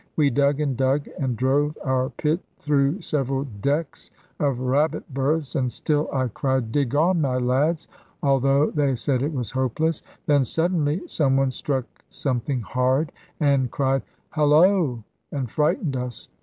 We dug and dug, and drove our pit through several decks of rabbit berths; and still I cried "Dig on, my lads!" although they said it was hopeless. Then suddenly some one struck something hard, and cried "Halloa!" and frightened us.